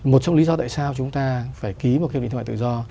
một trong lý do tại sao chúng ta phải ký một hiệp định thương mại tự do